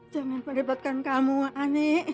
jangan peribadkan kamu ani